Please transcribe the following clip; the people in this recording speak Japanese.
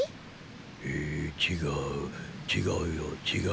え違う違うよ違うね。